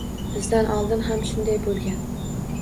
Bizdan oldin ham shunday bo’lgan